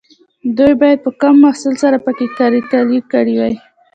دوی باید په کم محصول سره پکې کرکیله کړې وای.